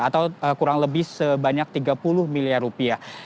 atau kurang lebih sebanyak tiga puluh miliar rupiah